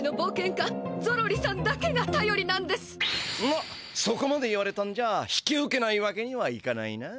まっそこまで言われたんじゃ引き受けないわけにはいかないな。